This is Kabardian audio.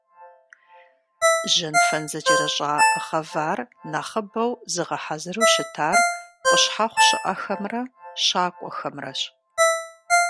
Жьэнфэн зэкӀэрыщӀа гъэвар нэхъыбэу зыгъэхьэзыру щытар къущхьэхъу щыӀэхэмрэ щакӀуэхэмрэщ.